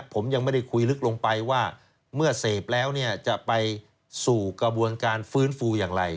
ผมยังไม่ได้คุยลึกลงไปว่าเมื่อเสพแล้วเนี่ยจะไปสู่กระบวนการฟื้นฟูอย่างไร